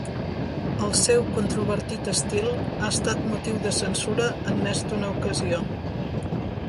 El seu controvertit estil ha estat motiu de censura en més d'una ocasió.